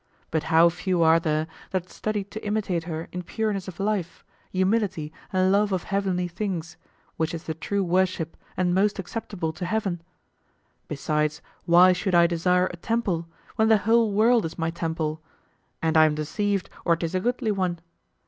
But how few are there that study to imitate her in pureness of life, humility and love of heavenly things, which is the true worship and most acceptable to heaven! Besides why should I desire a temple when the whole world is my temple, and I'm deceived or 'tis a goodly one?